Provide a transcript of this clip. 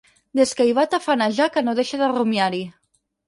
Des que hi va tafanejar que no deixa de rumiar-hi.